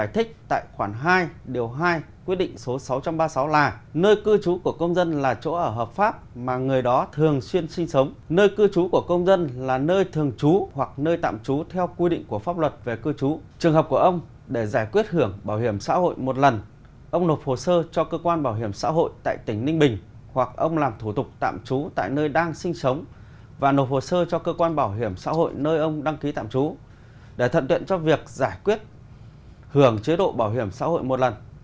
trường hợp của ông để giải quyết hưởng bảo hiểm xã hội một lần ông nộp hồ sơ cho cơ quan bảo hiểm xã hội tại tỉnh ninh bình hoặc ông làm thủ tục tạm trú tại nơi đang sinh sống và nộp hồ sơ cho cơ quan bảo hiểm xã hội nơi ông đăng ký tạm trú để thận tuyện cho việc giải quyết hưởng chế độ bảo hiểm xã hội một lần